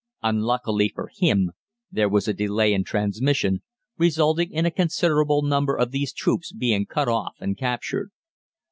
Unluckily for him, there was a delay in transmission, resulting in a considerable number of these troops being cut off and captured.